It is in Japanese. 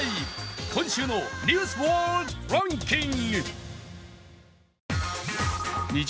今週の「ニュースワードランキング」。